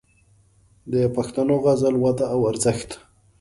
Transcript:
د پښتو غزل وده او ارزښت